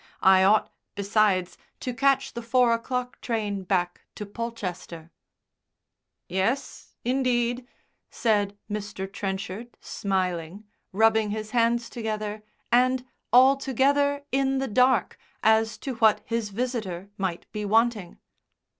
I ought, besides, to catch the four o'clock train back to Polchester." "Yes, indeed," said Mr. Trenchard, smiling, rubbing his hands together, and altogether in the dark as to what his visitor might be wanting.